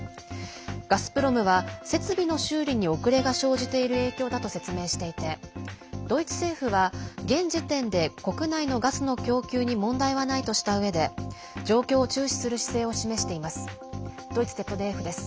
ガスプロムは設備の修理に遅れが生じている影響だと説明していてドイツ政府は現時点で国内のガスの供給に問題はないとしたうえで状況を注視する姿勢を示しています。